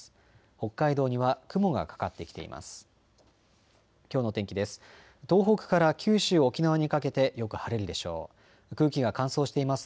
北海道には雲がかかってきています。